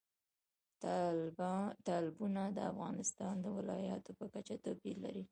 تالابونه د افغانستان د ولایاتو په کچه توپیر لري.